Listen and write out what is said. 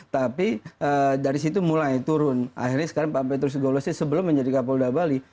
tapi dari situ mulai turun akhirnya sekarang pak petrus golosi sebelum menjadi kapolda bali